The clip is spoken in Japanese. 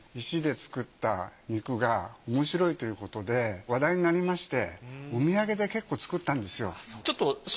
石で作った肉がおもしろいということで話題になりましてお土産で結構作ったんですよ。